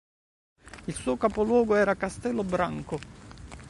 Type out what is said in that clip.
Il suo capoluogo era Castelo Branco.